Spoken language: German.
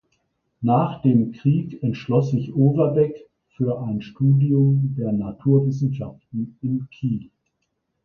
Nach dem Krieg entschloss sich Overbeck für ein Studium der Naturwissenschaften in Kiel.